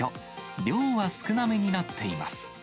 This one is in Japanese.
量は少なめになっています。